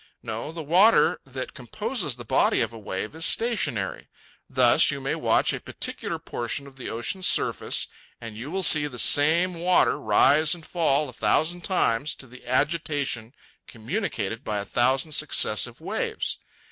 No, the water that composes the body of a wave is stationary. Thus, you may watch a particular portion of the ocean's surface and you will see the same water rise and fall a thousand times to the agitation communicated by a thousand successive waves.